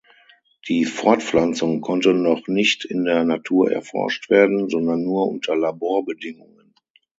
Die Fortpflanzung konnte noch nicht in der Natur erforscht werden, sondern nur unter Laborbedingungen.